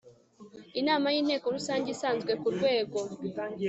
inama y inteko rusange isanzwe ku rwego